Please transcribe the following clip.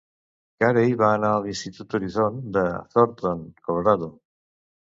Carey va anar a l'institut Horizon de Thornton, Colorado.